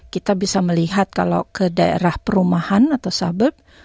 kita bisa melihat kalau ke daerah perumahan atau sabet